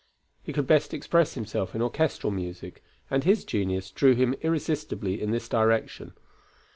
He could best express himself in orchestral music, and his genius drew him irresistibly in this direction.